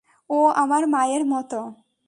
ও আমার মায়ের মতো।